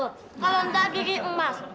kalau enggak gigi emas